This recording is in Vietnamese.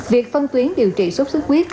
việc phân tuyến điều trị sốt sức huyết